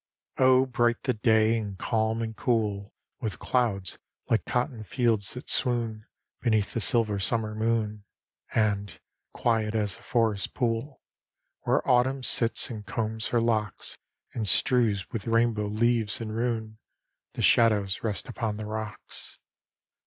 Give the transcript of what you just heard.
XL Oh, bright the day, and calm and cool With clouds, like cotton fields that swoon Beneath the silver summer moon; And, quiet as a forest pool, Where Autumn sits and combs her locks, And strews with rainbow leaves and roon, The shadows rest upon the rocks.